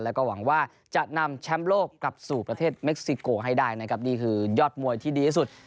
แล้วก็หวังว่าจะนำแชมป์โลกกลับสู่ประเทศเม็กซิโกให้ได้นะครับนี่คือยอดมวยที่ดีที่สุด